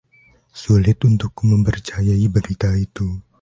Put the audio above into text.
Sulit untukku mempercayai berita itu.